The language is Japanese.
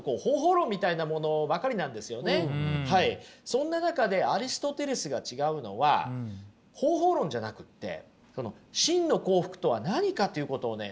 そんな中でアリストテレスが違うのは方法論じゃなくってその真の幸福とは何かっていうことをね